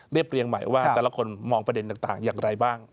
เรียงใหม่ว่าแต่ละคนมองประเด็นต่างอย่างไรบ้าง